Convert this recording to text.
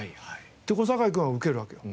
で小堺君はウケるわけよ。